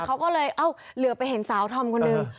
เขาก็เลยเอ้าเหลือไปเห็นสาวธอมคนหนึ่ง